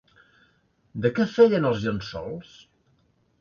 De què feien els llençols?